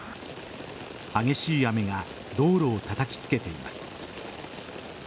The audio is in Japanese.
激しい雨が道路をたたきつけています。